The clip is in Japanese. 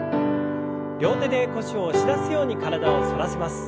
両手で腰を押し出すように体を反らせます。